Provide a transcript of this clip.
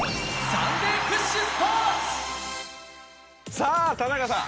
さぁ田中さん！